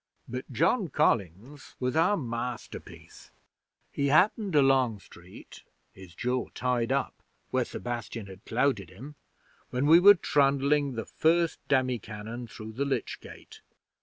'But John Collins was our masterpiece! He happened along street (his jaw tied up where Sebastian had clouted him) when we were trundling the first demi cannon through the lych gate.